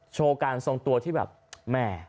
โชว์การทรงตัวที่แบบแม่